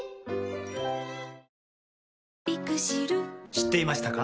知っていましたか？